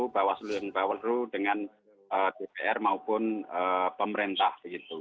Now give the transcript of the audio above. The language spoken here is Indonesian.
bawah selu yang baru dengan dpr maupun pemerintah